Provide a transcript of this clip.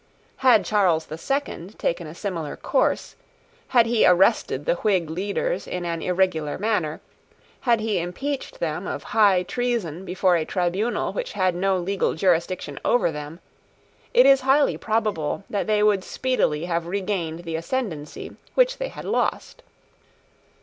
Had Charles the Second taken a similar course, had he arrested the Whig leaders in an irregular manner, had he impeached them of high treason before a tribunal which had no legal jurisdiction over them, it is highly probable that they would speedily have regained the ascendancy which they had lost.